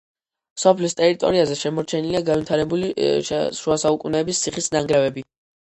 სოფლის ტერიტორიაზე შემორჩენილია განვითარებული შუასაუკუნეების ციხის ნანგრევები.